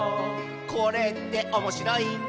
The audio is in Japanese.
「これっておもしろいんだね」